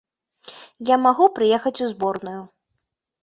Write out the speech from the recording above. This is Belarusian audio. Я магу прыехаць у зборную!